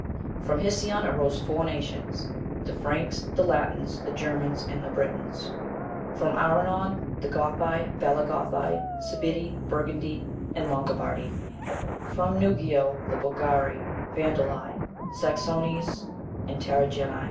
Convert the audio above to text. From Hisicion arose four nations the Franks, the Latins, the Germans, and Britons: from Armenon, the Gothi, Balagothi, Cibidi, Burgundi, and Longobardi: from Neugio, the Bogari, Vandali, Saxones, and Tarinegi.